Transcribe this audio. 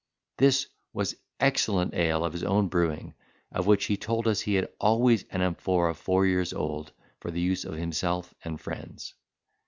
This was excellent ale of his own brewing, of which he told us he had always an amphora four years old, for the use of himself and friends.